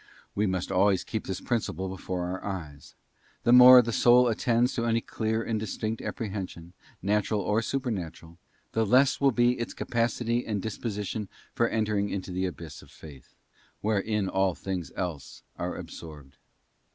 We must always keep this principle before our eyes; the more the soul attends to any clear and distinct apprehension, natural or supernatural, the less will be its capacity and dis position for entering into the abyss of Faith, wherein all things else are absorbed.